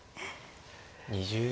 ２０秒。